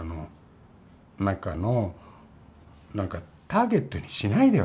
中のターゲットにしないでよ